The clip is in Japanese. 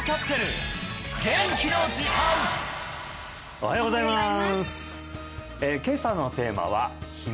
おはようございます